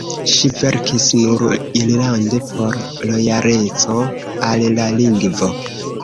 Ŝi verkis nur irlande por lojaleco al la lingvo.